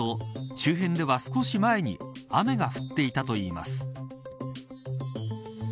周辺では少し前に雨が降っていたといいます。